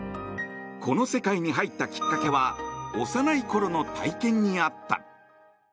この世界に入ったきっかけは幼いころの体験にあった。